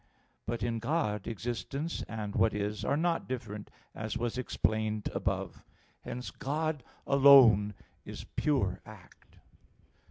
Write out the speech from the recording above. But in God "existence" and "what is" are not different as was explained above (Q. 3, A. 4). Hence God alone is pure act.